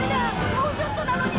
もうちょっとなのに！